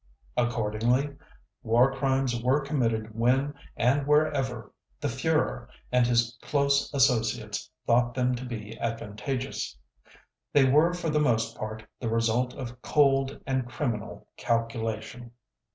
Accordingly, War Crimes were committed when and wherever the Führer and his close associates thought them to be advantageous. They were for the most part the result of cold and criminal calculation.